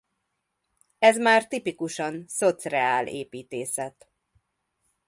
Ez már tipikusan szocreál építészet.